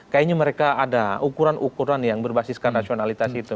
kayaknya mereka ada ukuran ukuran yang berbasiskan rasionalitas itu